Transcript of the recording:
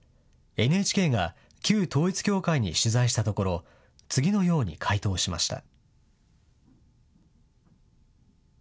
ＮＨＫが旧統一教会に取材したところ、次のように回答しました。